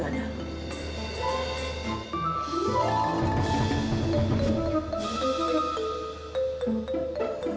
tahu gak tuh